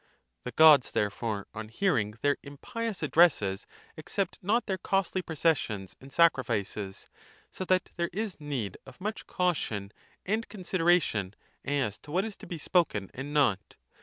The gods therefore, on hearing their impious addresses, accept not their costly processions and sacrifices ; so that there is need of much caution and con sideration as to what is to be spoken and not.